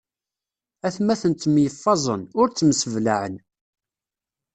Atmaten ttemyeffaẓen, ur ttemseblaɛen.